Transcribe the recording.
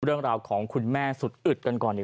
คุณแม่คุณสุดอึดกันก่อน